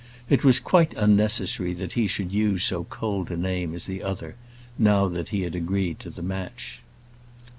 It was quite unnecessary that he should use so cold a name as the other, now that he had agreed to the match.